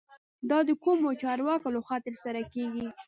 دا د کومو چارواکو له خوا ترسره کیږي؟